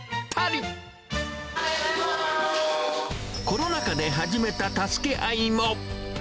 コロナ禍で始めた助け合いも。